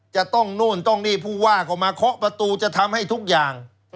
จะต้องโน่นต้องนี่ผู้ว่าก็มาเคาะประตูจะทำให้ทุกอย่าง